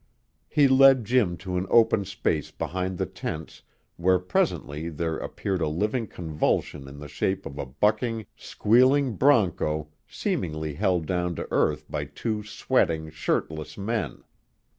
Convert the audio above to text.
He led Jim to an open space behind the tents where presently there appeared a living convulsion in the shape of a bucking, squealing bronco seemingly held down to earth by two sweating, shirtless men.